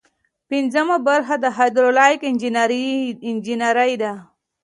پنځمه برخه د هایدرولیک انجنیری ده.